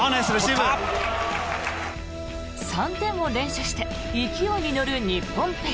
３点を連取して勢いに乗る日本ペア。